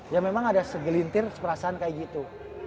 ya memang ada segelintir perasaan kayak gitu